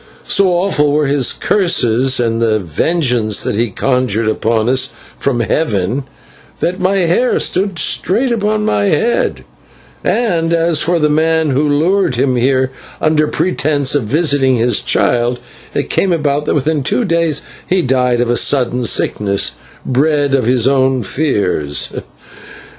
So awful were his curses and the vengeance that he conjured upon us from heaven, that my hair stood straight upon my head, and as for the man who lured him here under pretence of visiting his child, it came about that within two days he died of a sudden sickness bred of his own fears.